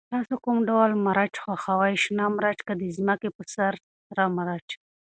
تاسو کوم ډول مرچ خوښوئ، شنه مرچ که د ځمکې په سر سره مرچ؟